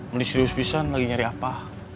menisi di uspisan lagi nyari apa